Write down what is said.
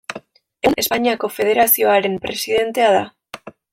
Egun Espainiako federazioaren presidentea da.